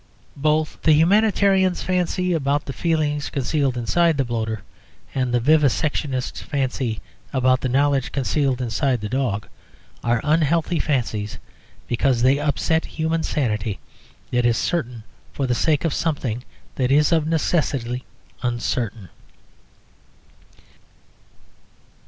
Both the humanitarians' fancy about the feelings concealed inside the bloater, and the vivisectionists' fancy about the knowledge concealed inside the dog, are unhealthy fancies, because they upset a human sanity that is certain for the sake of something that is of necessity uncertain.